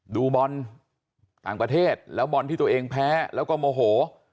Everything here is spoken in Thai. ดูบอลต่างประเทศแล้วบอลที่ตัวเองแพ้แล้วก็โมโห